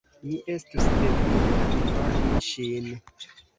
Mi estus devinta informi ŝin.